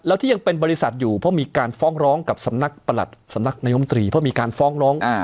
แล้วที่ยังเป็นบริษัทอยู่เพราะมีการฟ้องร้อง